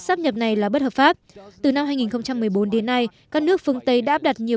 sắp nhập này là bất hợp pháp từ năm hai nghìn một mươi bốn đến nay các nước phương tây đã áp đặt nhiều